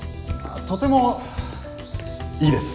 とてもいいです。